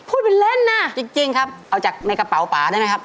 พูดเป็นเล่นนะจริงครับเอาจากในกระเป๋าป่าได้ไหมครับ